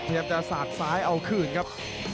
พยายามจะสากซ้ายเอาคืนครับ